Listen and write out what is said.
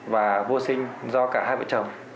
và vô sinh do cả hai vợ chồng